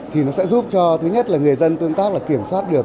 thì nó sẽ giúp cho thứ nhất là người dân tương tác là kiểm soát được